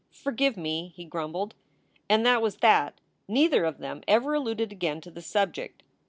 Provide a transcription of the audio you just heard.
"Forgive me!" he grumbled. And that was that. Neither of them ever alluded again to the subject.